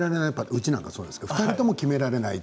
うちなんかもそうですけれども２人とも決められない。